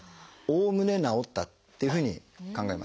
おおむね治ったっていうふうに考えます。